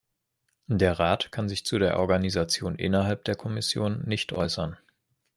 Der Rat kann sich zu der Organisation innerhalb der Kommission nicht äußern.